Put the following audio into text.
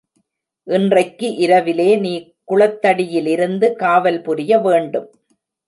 இன்றைக்கு இரவிலே நீ குளத்தடியிலிருந்து காவல் புரிய வேண்டும்.